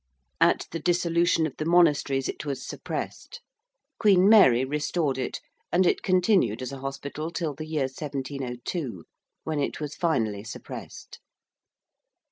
At the Dissolution of the Monasteries it was suppressed. Queen Mary restored it, and it continued as a hospital till the year 1702, when it was finally suppressed.